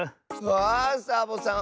わあサボさん